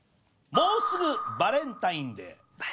「もうすぐバレンタインデー！